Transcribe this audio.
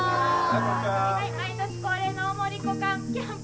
毎年恒例の大森っ子キャンプ